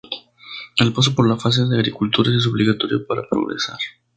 El paso por la fase de agricultores es obligatorio para progresar.